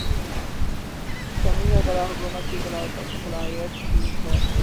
کمی سربراہ حکومت کی صلاحیت کی ہے۔